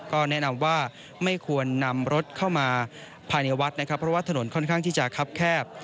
ก็แนะนำว่าไม่ควรนำรถเข้ามาภายในวัดนะครับเพราะว่าถนนค่อนข้างที่จะคับแคบ